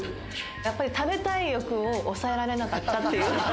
やっぱり、食べたい欲を抑えられなかったっていう。